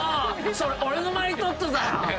それ俺のマリトッツォだよ！